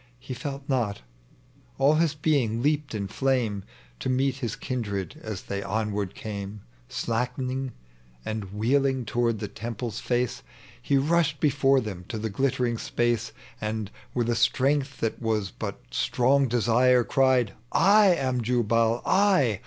He felt not ; all his being leaped iu flame To meet his kindred as they onward came Slackening and wheeling toward the temple's face He rushed before them to the glittering apace, And, with a strength that was but strong desire, Cried, *' I am Jnbal, I